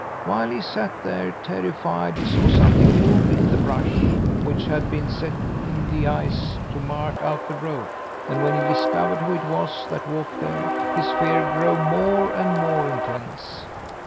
"While he sat there, terrified, he saw something move in the brush, which had been set in the ice to mark out the road; and when he discovered who it was that walked there, his fear grew more and more intense.